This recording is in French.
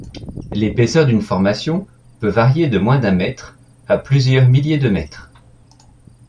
L'épaisseur d'une formation peut varier de moins d'un mètre à plusieurs milliers de mètres.